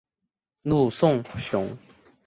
陆颂雄。